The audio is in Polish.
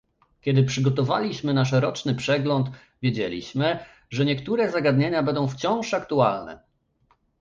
Kiedy przygotowaliśmy nasz roczny przegląd, wiedzieliśmy, że niektóre zagadnienia będą wciąż aktualne